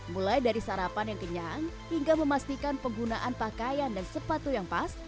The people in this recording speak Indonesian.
mulai dari sarapan yang kenyang hingga memastikan penggunaan pakaian dan sepatu yang pas